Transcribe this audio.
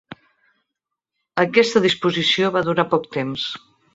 Aquesta disposició va durar poc temps.